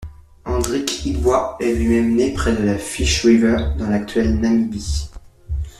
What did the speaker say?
Hendrik Witbooi est lui-même né près de la Fish River dans l'actuelle Namibie.